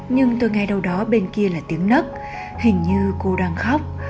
nhưng tôi ngay đâu đó bên kia là tiếng nấc hình như cô đang khóc